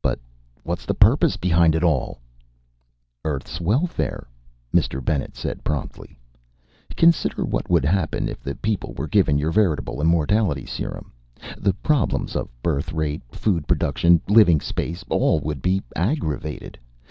"But what's the purpose behind it all?" "Earth's welfare," Mr. Bennet said promptly. "Consider what would happen if the people were given your veritable immortality serum. The problems of birth rate, food production, living space all would be aggravated.